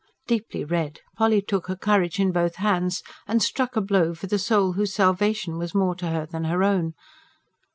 Deeply red, Polly took her courage in both hands, and struck a blow for the soul whose salvation was more to her than her own.